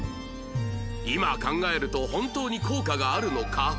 今考えると本当に効果があるのか？